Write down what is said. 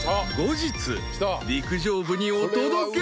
［陸上部にお届け］